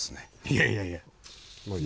いやいやいや。